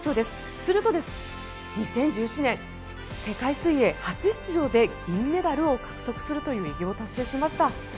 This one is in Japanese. すると、２０１７年世界水泳、初出場で銀メダルを獲得するという偉業を達成しました。